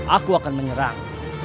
aku akan menyerang